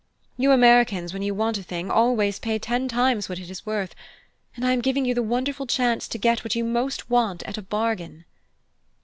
You Americans, when you want a thing, always pay ten times what it is worth, and I am giving you the wonderful chance to get what you most want at a bargain."